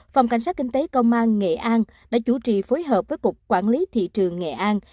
phòng cảnh sát kinh tế công an nghệ an đã chủ trì phối hợp với cục quản lý thị trường nghệ an